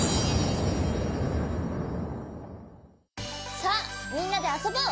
さあみんなであそぼう！